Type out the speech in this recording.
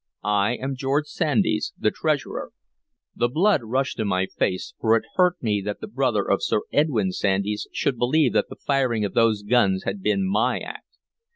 I am George Sandys, the Treasurer." The blood rushed to my face, for it hurt me that the brother of Sir Edwyn Sandys should believe that the firing of those guns had been my act.